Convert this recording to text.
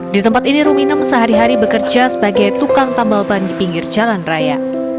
di tempat ini ruminem sehari hari bekerja sebagai tukang tambal ban di pinggir jalan raya